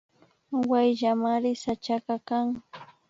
Wayllamari sachaka kan